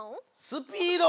スピード！